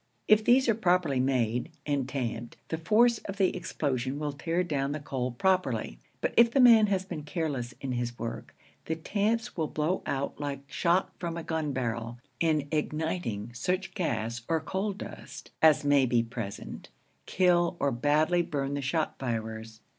If these are properly made and tamped, the force of the explosion will tear down the coal properly; but if the man has been careless in his work, the tamps will blow out like shot from a gun barrel, and igniting such gas or coal dust as may be present, kill or badly burn the shot firers.